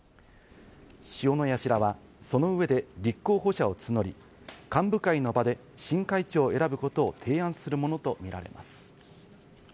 塩谷氏らはその上で立候補者を募り、幹部会の場で新会長を選ぶことを提案するものとみられます。